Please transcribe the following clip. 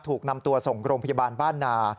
ถูกนำตัวส่งโรงพยาบาลบ้านนา